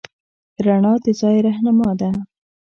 رڼا د ځای رهنما ده.